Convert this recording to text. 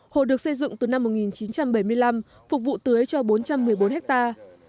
hồ được xây dựng từ năm một nghìn chín trăm bảy mươi năm phục vụ tưới cho bốn trăm một mươi bốn hectare